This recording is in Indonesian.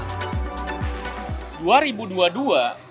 dan juga untuk perusahaan yang lain